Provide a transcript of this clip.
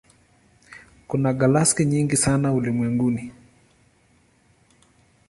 Kuna galaksi nyingi sana ulimwenguni.